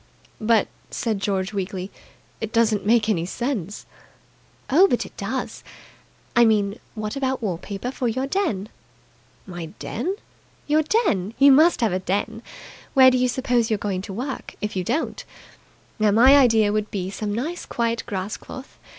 "But," said George weakly, "it doesn't make any sense." "Oh, but it does. I mean, what about wall paper for your den?" "My den?" "Your den. You must have a den. Where do you suppose you're going to work, if you don't? Now, my idea would be some nice quiet grass cloth.